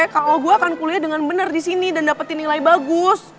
kalau gue akan kuliah dengan benar di sini dan dapetin nilai bagus